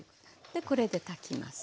でこれで炊きます。